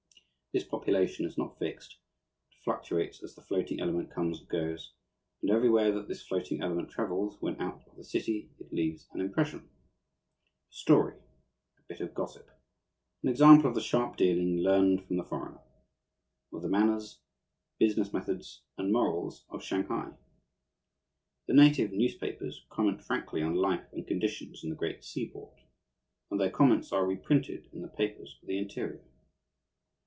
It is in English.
This population is not fixed, but fluctuates as the floating element comes and goes; and everywhere that this floating element travels when out of the city it leaves an impression a story, a bit of gossip, an example of the sharp dealing learned from the foreigner of the manners, business methods, and morals of Shanghai. The native newspapers comment frankly on life and conditions in the great seaport, and their comments are reprinted in the papers of the interior.